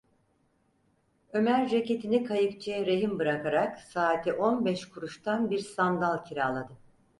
Ömer ceketini kayıkçıya rehin bırakarak saati on beş kuruştan bir sandal kiraladı.